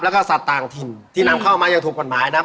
แล้วก็สัตว์ต่างถิ่นที่นำเข้ามาอย่างถูกกฎหมายนะครับ